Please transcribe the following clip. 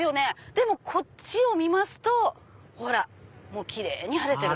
でもこっちを見ますとほら奇麗に晴れてる。